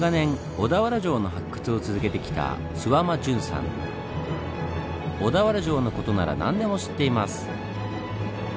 小田原城の事なら何でも知っています。